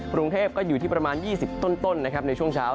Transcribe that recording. กรุงเทพก็อยู่ที่ประมาณ๒๐ต้นในช่วงเช้า